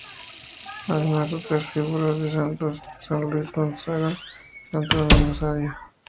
Además, otras figuras de santos: San Luis Gonzaga; Santo Domingo Savio.